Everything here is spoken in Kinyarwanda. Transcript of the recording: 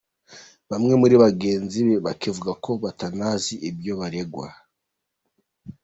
Bamwe muri bagenzi be bakavuga ko batanazi ibyo baregwa.